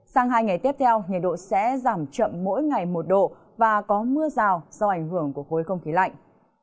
sang hai ngày tiếp theo nhiệt độ sẽ giảm chậm mỗi ngày một độ và có mưa rào do ảnh hưởng của khối không khí lạnh